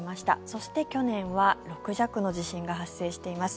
そして、去年は６弱の地震が発生しています。